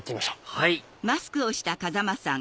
はい！